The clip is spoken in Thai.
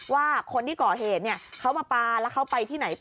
ว่าคนที่ก่อเหตุเขามาปลาแล้วเขาไปที่ไหน